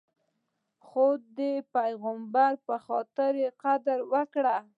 خو د پیغمبر په خاطر یې قدر وکړئ.